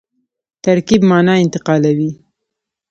ترکیب مانا انتقالوي.